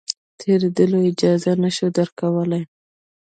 تېرېدلو اجازه نه شو درکولای.